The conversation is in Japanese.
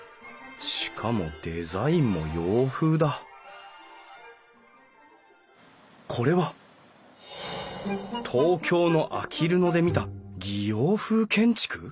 しかもデザインも洋風だこれは東京のあきる野で見た擬洋風建築？